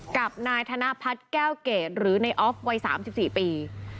กับนายธนพัฒน์แก้วเกรดหรือในออฟวัย๓๔ปี